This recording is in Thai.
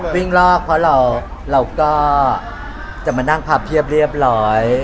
วิ่งรอกเพราะเราก็จะมานั่งพับเรียบร้อย